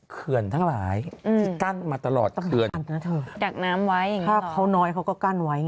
ขืนทั้งหลายที่กั้นมาตลอดจะขนาดน้ำไว้ไม่เหลือสิ่งน้อยเขาก็กั้ลไว้